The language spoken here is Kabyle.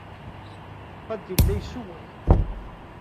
Fadil la yessewway.